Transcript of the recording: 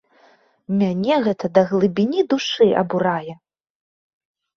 Мяне гэта да глыбіні душы абурае.